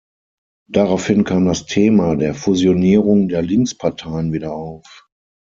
Daraufhin kam das Thema der Fusionierung der Linksparteien wieder auf.